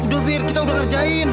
dufir kita udah kerjain